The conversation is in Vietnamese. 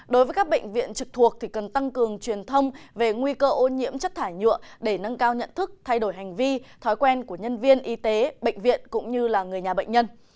đối với các bệnh viện trực thuộc thì cần tăng cường truyền thông về nguy cơ ô nhiễm chất thải nhựa để nâng cao nhận thức thay đổi hành vi thói quen của nhân viên y tế bệnh viện cũng như người nhà bệnh nhân